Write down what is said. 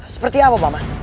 seperti apa paman